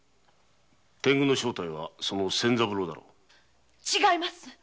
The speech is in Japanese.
天狗の正体は仙三郎だろう？違います！